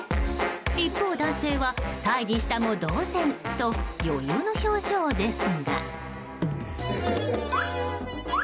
一方、男性は退治したも同然と余裕の表情ですが。